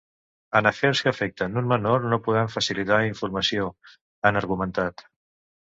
En afers que afecten un menor no podem facilitar informació, han argumentat.